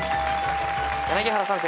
柳原さん